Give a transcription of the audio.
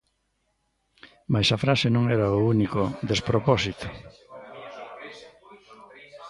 Mais a frase non era o único despropósito.